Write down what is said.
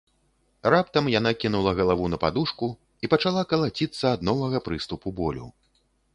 Раптам яна кінула галаву на падушку і пачала калаціцца ад новага прыступу болю.